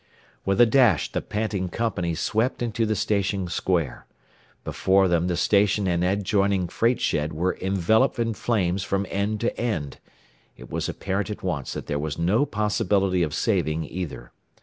With a dash the panting company swept into the station square. Before them the station and adjoining freight shed were enveloped in flames from end to end. It was apparent at once that there was no possibility of saving either.